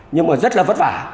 nhưng mà rất là vất vả